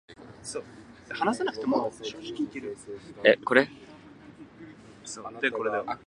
最近嘆かわしいことは、活字に触れる若者が減っていることだ。